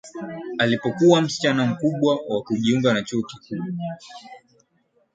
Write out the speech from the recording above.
Alipokuwa msichana mkubwa wa kujiunga na chuo kikuu